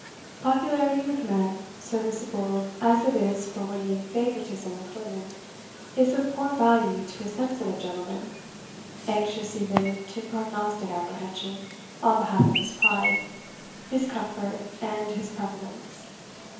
Popularity with men, serviceable as it is for winning favouritism with women, is of poor value to a sensitive gentleman, anxious even to prognostic apprehension on behalf of his pride, his comfort and his prevalence.